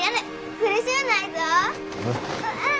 苦しゅうないぞ。